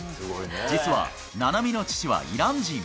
実は菜波の父はイラン人。